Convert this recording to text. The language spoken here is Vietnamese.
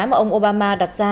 mà ông obama đặt ra